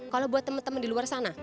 kalau buat teman teman di luar sana